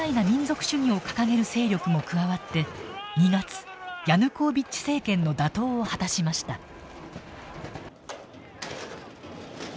民族主義を掲げる勢力も加わって２月ヤヌコービッチ政権の打倒を果たしました。